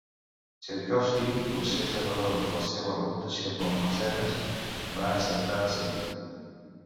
Txaikovski, potser sabedor de la seua reputació com a mecenes, va acceptar de seguida.